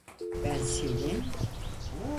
Ben seni…